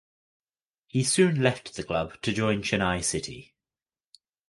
He soon left the club to join Chennai City.